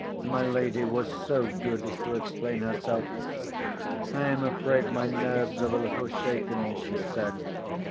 My lady was so good as to explain herself. "I am afraid my nerves are a little shaken," she said.